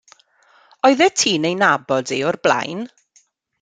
Oddet ti'n ei nabod e o'r blaen?